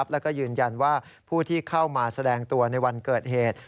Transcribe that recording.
แล้วก็ยืนยันว่าผู้ที่เข้ามาแสดงตัวในวันเกิดเหตุ